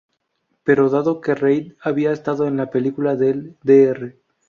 Pero dado que Reid había estado en la película del Dr.